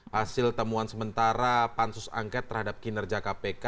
hasil temuan sementara pansus angket terhadap kinerja kpk